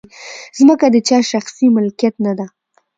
مځکه د چا د شخصي ملکیت نه ده.